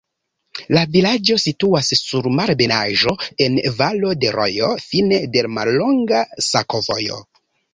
La vilaĝo situas sur malebenaĵo, en valo de rojo, fine de mallonga sakovojo.